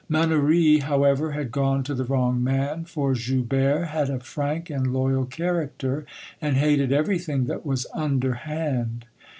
Mannouri, however, had gone to the wrong man, for Joubert had a frank and loyal character, and hated everything that was underhand.